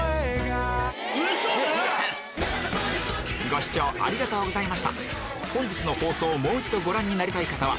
⁉ご視聴ありがとうございました本日の放送をもう一度ご覧になりたい方は